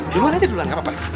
duluan aja duluan gak apa apa